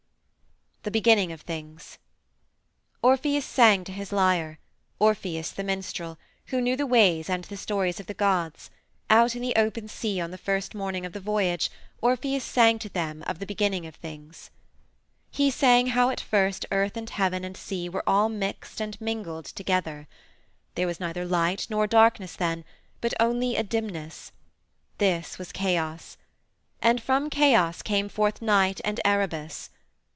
THE BEGINNING OF THINGS Orpheus sang to his lyre, Orpheus the minstrel, who knew the ways and the stories of the gods; out in the open sea on the first morning of the voyage Orpheus sang to them of the beginning of things. He sang how at first Earth and Heaven and Sea were all mixed and mingled together. There was neither Light nor Darkness then, but only a Dimness. This was Chaos. And from Chaos came forth Night and Erebus.